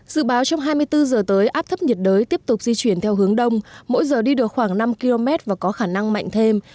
dự báo trong hai mươi bốn giờ tới áp thấp nhiệt đới tiếp tục di chuyển theo hướng đông mỗi giờ đi được khoảng năm km và có khả năng mạnh thêm